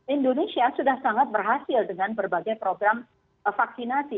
indonesia sudah sangat berhasil dengan berbagai program vaksinasi